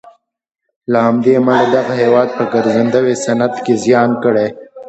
له همدې امله دغه هېواد په ګرځندوی صنعت کې زیان کړی.